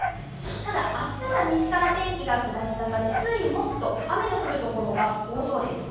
ただ明日は西から天気が下り坂で水曜日、木曜日と雨の降るところが多そうです。